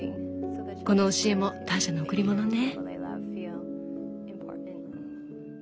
この教えもターシャの贈り物ね。